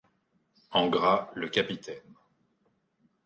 En gras, le capitaine.